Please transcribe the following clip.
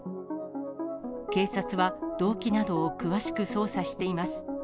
警察は動機などを詳しく捜査しています。